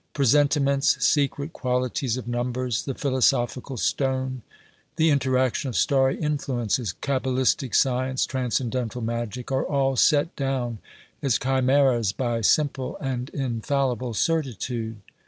Presentiments, secret qualities of numbers, the philosophical stone, the interaction of starry influences, cabalistic science, transcendental magic, are all set down as chimeras by simple and infallible certitude.